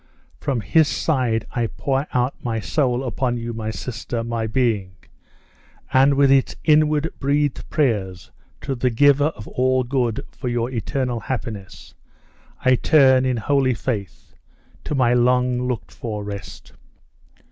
From his side I pour out my soul upon you, my sister my being and, with its inward breathed prayers to the Giver of all good for your eternal happiness, I turn, in holy faith to my long looked for rest!"